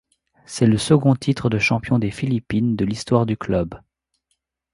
C'est le second titre de champion des Philippines de l'histoire du club.